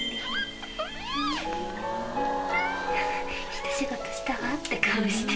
一仕事したわって顔して。